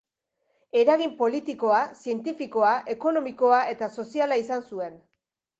Eragin politikoa, zientifikoa, ekonomikoa eta soziala izan zuen.